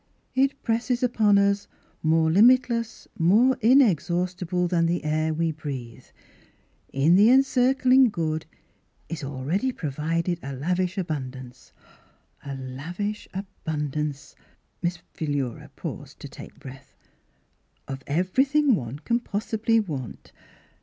"' It presses upon us, more limitless, more in exhaustible than the air we breathe — In the Encircling Good is already pro vided a lavish abundance — a lavish ahv/ii' dance! *" Miss Philura paused to take breath. "' Of everything one can possibly want.